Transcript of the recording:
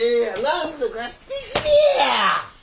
なんとかしてくれや！